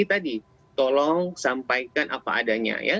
tadi tolong sampaikan apa adanya ya